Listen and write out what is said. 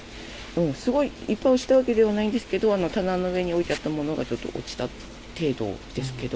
すごいいっぱい落ちたわけではないんですけど、棚の上に置いてあった物がちょっと落ちた程度ですけど。